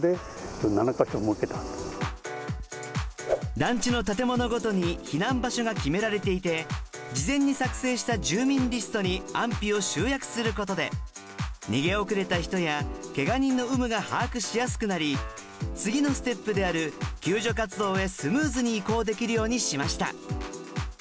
団地の建物ごとに避難場所が決められていて事前に作成した住民リストに安否を集約することで逃げ遅れた人やけが人の有無が把握しやすくなり次のステップである救助活動へスムーズに移行できるようにしました。